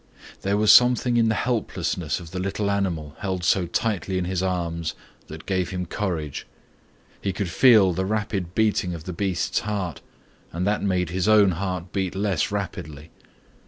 There was something in the helplessness of the little animal held so tightly in his arms that gave him courage. He could feel the rapid beating of the beast's heart and that made his own heart beat less rapidly.